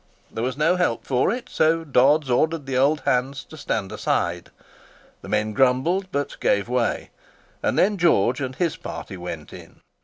There was no help for it, so Dodds ordered the old hands to stand aside. The men grumbled, but gave way; and then George and his party went in.